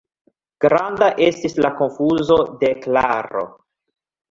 Granda estis la konfuzo de Klaro.